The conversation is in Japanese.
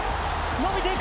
伸びていく。